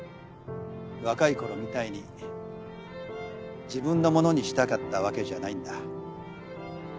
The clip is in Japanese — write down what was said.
若いころみたいに自分のものにしたかったわけじゃないんだ。